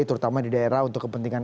terutama di daerah untuk kepentingan